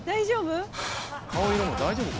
大丈夫？